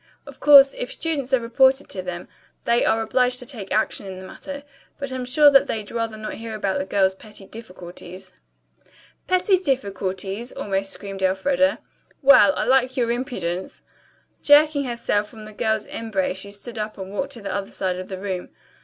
Of course, if students are reported to them, they are obliged to take action in the matter, but I'm sure that they'd rather not hear about the girls' petty difficulties." "'Petty difficulties!'" almost screamed Elfreda. "Well, I like your impudence." Jerking herself from the girls' embrace she stood up and walked to the other side of the room.